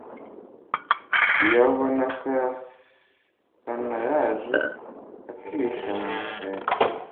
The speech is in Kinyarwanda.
Yabona Kirasana yaje akihisha mu masenga.